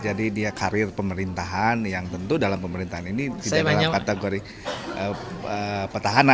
jadi dia karir pemerintahan yang tentu dalam pemerintahan ini tidak ada kategori petahana